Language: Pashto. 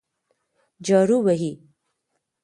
جارو وهي.